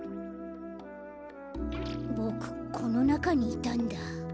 ボクこのなかにいたんだ。